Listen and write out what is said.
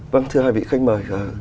vâng thưa hai vị khách mời